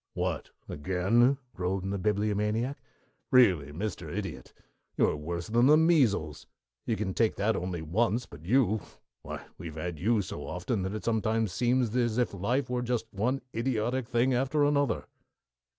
"What, again?" groaned the Bibliomaniac. "Really, Mr. Idiot, you are worse than the measles. You can take that only once, but you why, we've had you so often that it sometimes seems as if life were just one idiotic thing after another."